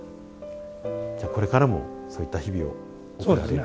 じゃあこれからもそういった日々を送られる。